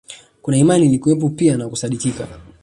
Kuna imani ilikuwepo pia na kusadikika